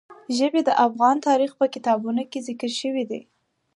ژبې د افغان تاریخ په کتابونو کې ذکر شوي دي.